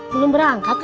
belum berangkat kamu